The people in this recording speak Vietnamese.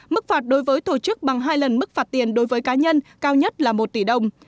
mức phạt đối với tổ chức bằng hai lần mức phạt tiền đối với cá nhân cao nhất là một tỷ đồng